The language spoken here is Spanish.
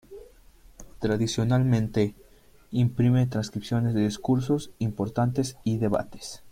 Tradicionalmente imprime transcripciones de discursos importantes y debates.